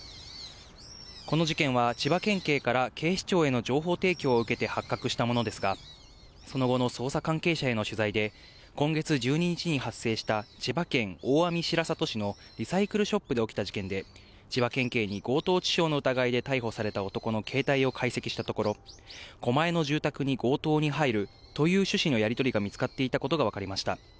この事件は千葉県警から警視庁への情報提供を受けて発覚したものですが、その後の捜査関係者への取材で、今月１２日に発生した千葉県大網白里市のリサイクルショップで起きた事件で、千葉県警にごうとうちしょうのうかがいいで逮捕された男の携帯を解析したところ、狛江の住宅に強盗に入るという趣旨のやり取りが見つかっていたことが分かりました。